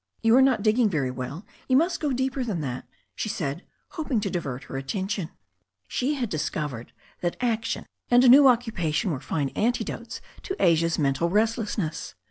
You are not digging very well. You must go deeper than that/' she said, hoping to divert her attention. She had discovered that action and a new occupatioB were fine antidotes to Asia's mental restlessness.